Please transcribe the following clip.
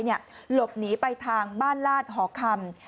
หลบหนีไปทางบ้านลาดหอคำ